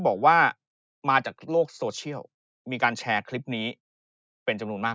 บอกว่ามาจากโลกโซเชียลมีการแชร์คลิปนี้เป็นจำนวนมาก